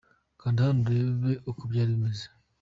Kanda hano urebe uko byari bimeze .